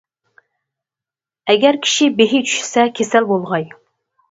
ئەگەر كىشى بېھى چۈشىسە، كېسەل بولغاي.